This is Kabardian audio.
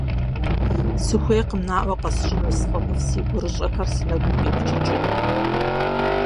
Сыхуейкъым наӀуэ къэсщӀыну сфӀэмыфӀ си гурыщӀэхэр си нэгум къибджыкӀыну.